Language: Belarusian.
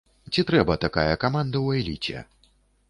Ці трэба такая каманда ў эліце?